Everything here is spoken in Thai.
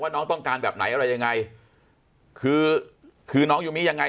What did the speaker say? น้องต้องการแบบไหนอะไรยังไงคือคือน้องอยู่นี้ยังไง